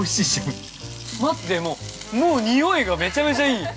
◆待って、もうにおいがめちゃめちゃいい。